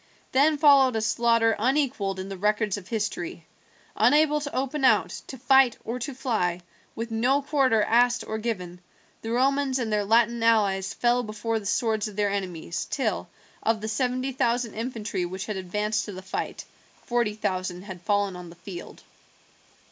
Then followed a slaughter unequalled in the records of history. Unable to open out, to fight, or to fly, with no quarter asked or given, the Romans and their Latin allies fell before the swords of their enemies, till, of the seventy thousand infantry which had advanced to the fight, forty thousand had fallen on the field.